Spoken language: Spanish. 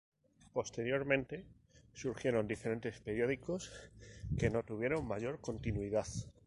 Posteriormente surgieron diferentes periódicos que no tuvieron mayor continuidad.